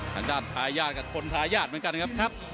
ข้างด้านทายาทกับคนทายาทเหมือนกันนะครับครับ